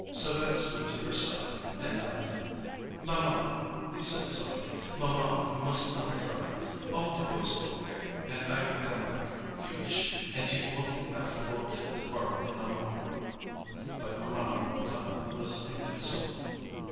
Sylves' went to her side and knelt. "Maman," he said softly, "maman, you mus' not cry. All de boys go 'way, an' I will come back reech, an' you won't have fo' to work no mo'." But Ma'am Mouton was inconsolable.